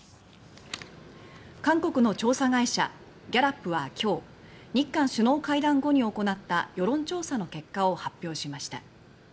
韓国の調査会社「ギャラップ」はきょう日韓首脳会談後に行った世論調査の結果を発表しました。